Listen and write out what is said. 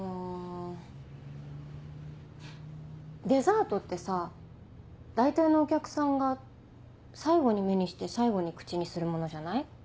デザートってさ大体のお客さんが最後に目にして最後に口にするものじゃない？